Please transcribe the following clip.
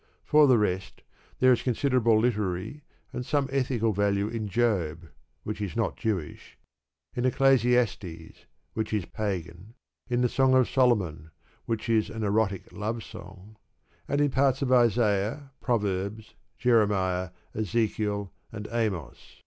For the rest, there is considerable literary and some ethical value in Job (which is not Jewish), in Ecclesiastes (which is Pagan), in the Song of Solomon (which is an erotic love song), and in parts of Isaiah, Proverbs, Jeremiah, Ezekiel, and Amos.